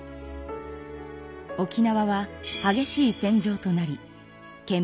沖縄ははげしい戦場となり県民